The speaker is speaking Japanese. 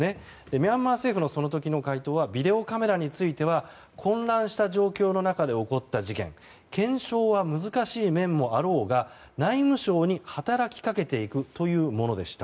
ミャンマー政府のその時の回答はビデオカメラについては混乱した状況の中で起こった事件検証は難しい面もあろうが内務省に働きかけていくというものでした。